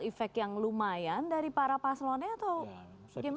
efek yang lumayan dari para paselonnya atau bagaimana